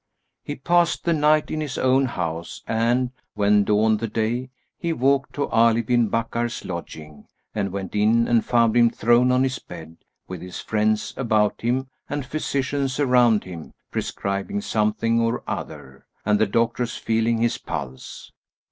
He passed the night in his own house and, when dawned the day, he walked to Ali bin Bakkar's lodging and went in and found him thrown on his bed, with his friends about him and physicians around him prescribing something or other, and the doctors feeling his pulse.